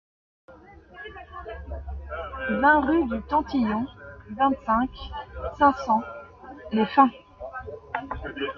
vingt rue du Tantillon, vingt-cinq, cinq cents, Les Fins